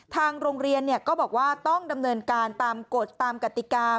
ทางโรงเรียนก็บอกว่าต้องดำเนินการตามกฎตามกติกา